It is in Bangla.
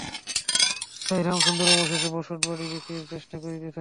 তাই রামসুন্দর অবশেষে বসতবাড়ি বিক্রয়ের চেষ্টা করিতে লাগিলেন।